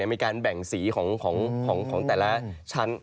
มีการแบ่งสีของแต่ละชั้น